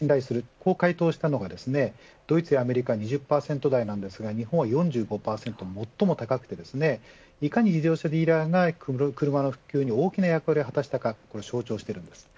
こう回答したのがドイツやアメリカは２０％台ですが日本は４５％と最も高くていかに自動車ディーラーが車の普及に大きな役割を果たしたか象徴しています。